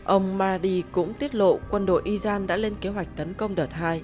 ông maradi cũng tiết lộ quân đội iran đã lên kế hoạch tấn công đợt hai